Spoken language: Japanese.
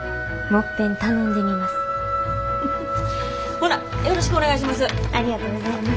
ほなよろしくお願いします。